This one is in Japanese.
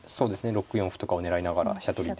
６四歩とかを狙いながら飛車取りで。